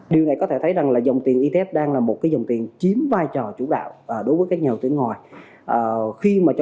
điều này có thể thấy rằng là dòng tiền its đang là một cái dòng tiền chiếm vai trò chủ đạo đối với các nhà đầu tư ngoài